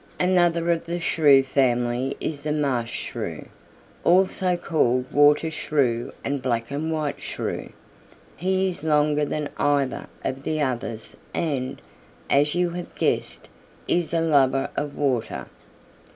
"Another of the Shrew family is the Marsh Shrew, also called Water Shrew and Black and white Shrew. He is longer than either of the others and, as you have guessed, is a lover of water.